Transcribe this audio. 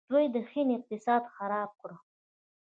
دوی د هند اقتصاد خراب کړ.